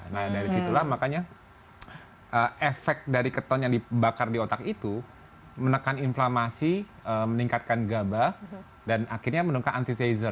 nah dari situlah makanya efek dari keton yang dibakar di otak itu menekan inflamasi meningkatkan gabah dan akhirnya menungkah antisem